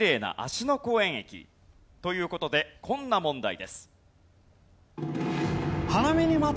という事でこんな問題です。